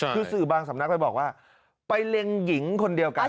คือสื่อบางสำนักไปบอกว่าไปเล็งหญิงคนเดียวกัน